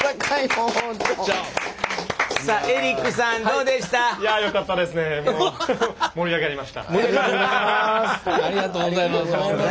本当にね。ありがとうございます。